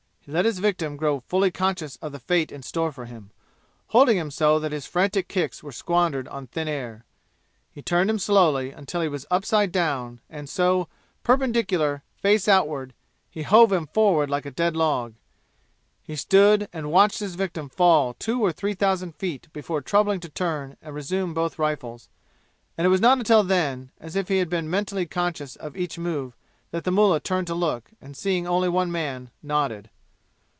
He let his victim grow fully conscious of the fate in store for him, holding him so that his frantic kicks were squandered on thin air. He turned him slowly, until he was upside down; and so, perpendicular, face outward, he hove him forward like a dead log. He stood and watched his victim fall two or three thousand feet before troubling to turn and resume both rifles; and it was not until then, as if he had been mentally conscious of each move, that the mullah turned to look, and seeing only one man nodded.